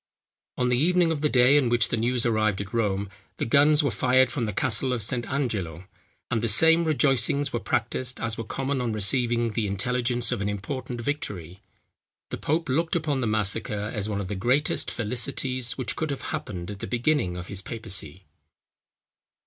On the evening of the day on which the news arrived at Rome, the guns were fired from the castle of St. Angelo; and the same rejoicings were practised as were common on receiving the intelligence of an important victory. The pope looked upon the massacre, as one of the greatest felicities which could have happened at the beginning of his papacy.